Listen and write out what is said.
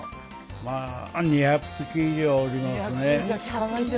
まあ２００匹以上おりますね。